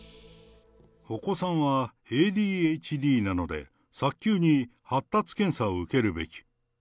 お子さんはＡＤＨＤなので、早急に発達検査を受けるべき。